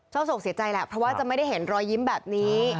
เจ้าโสกเสียใจแล้วเพราะไม่ได้เห็นรอยยิ้มแบบนี้